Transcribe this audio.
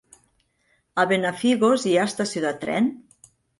A Benafigos hi ha estació de tren?